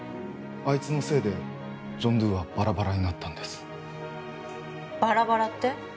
あいつのせいでジョン・ドゥはバラバラになったんですバラバラって？